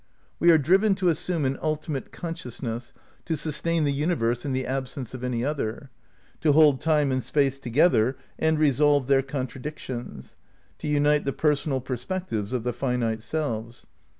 We are driven to assume an ultimate consciousness to sustain the universe in the absence of any other; to hold Time and Space together and resolve their con tradictions; to unite the personal perspectives of the finite selves.